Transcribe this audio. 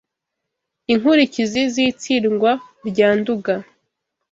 Inkurikizi z’itsindwa rya Nduga